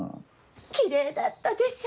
きれいだったでしょ。